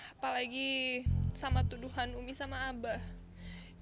apalagi sama tuduhan umi sama abah